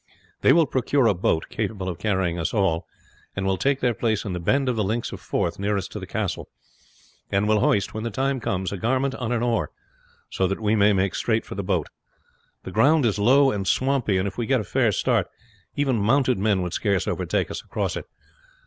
They will procure a boat capable of carrying us all, and will take their place in the bend of the links of Forth nearest to the castle, and will hoist, when the time comes, a garment on an oar, so that we may make straight for the boat. The ground is low and swampy, and if we get a fair start even mounted men would scarce overtake us across it.